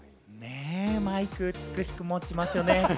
マイク、美しく持ちますよね。